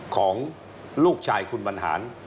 ของลูกชายคุณบรรหาร